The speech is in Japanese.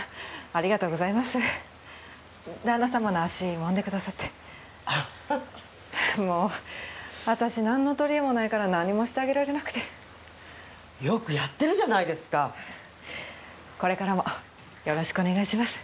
ありがとうございます旦那さまの足もんでくださってもう私何のとりえもないから何もしてあげられなくてよくやってるじゃないですかこれからもよろしくお願いします